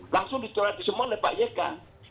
langsung dicoratin semua oleh pak yega